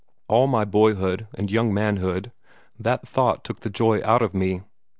At my boyhood and young manhood, that thought took the joy out of me.